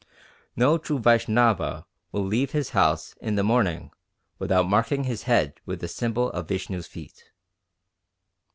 No true Vaishnava will leave his house in the morning without marking his forehead with the symbol of Vishnu's feet."